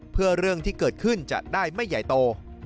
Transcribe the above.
เพื่อเรื่องที่เกิดขึ้นจะได้ไม่ใหญ่โต